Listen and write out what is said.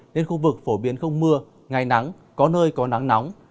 nên khu vực phổ biến không mưa ngày nắng có nơi có nắng nóng